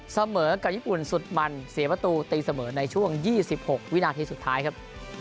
เสมอกับญี่ปุ่นสุดมันเสียประตูตีเสมอในช่วง๒๖วินาทีสุดท้ายครับ